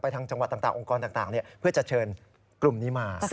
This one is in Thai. ทางจังหวัดต่างองค์กรต่างเพื่อจะเชิญกลุ่มนี้มา